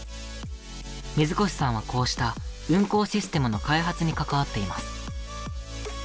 水越さんはこうした運行システムの開発に関わっています。